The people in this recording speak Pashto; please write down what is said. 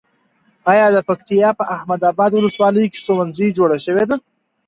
ایا د پکتیا په احمد اباد ولسوالۍ کې ښوونځي جوړ شوي دي؟